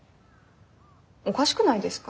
おかしくないですか？